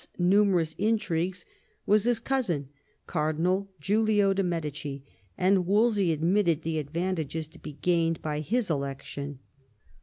's numerous intrigues was his cousin, Cardinal Giulio de' Medici, and Wolsey admitted the advantages to be gained by his election.